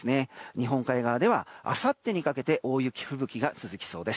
日本海側ではあさってにかけて大雪、吹雪が続きそうです。